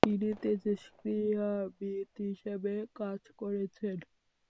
তিনি তেজস্ক্রিয়াবিদ হিসেবে কাজ করেছেন।